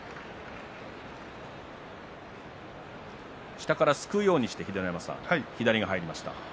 下から、すくうようにして左が入りましたね。